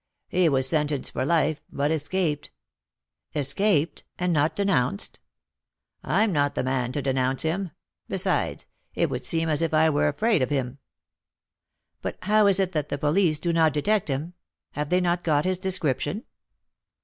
"He was sentenced for life, but escaped." "Escaped, and not denounced?" "I'm not the man to denounce him. Besides, it would seem as if I were afraid of him." "But how is it that the police do not detect him? Have they not got his description?"